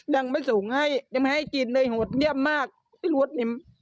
ยังไม่ส่งให้ยังไม่ให้กินเลยโหดเยี่ยมมากที่รสเนี่ย